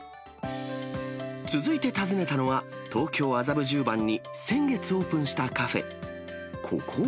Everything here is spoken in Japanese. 続いて訪ねたのは、東京・麻布十番に先月オープンしたカフェ。